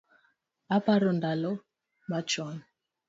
Aparo ndalo machon